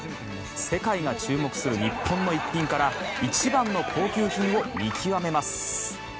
世界が注目する日本の逸品から一番の高級品を見極めます。